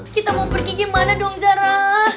kita mau pergi gimana dong zara